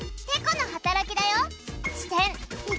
「てこのはたらき」だよ。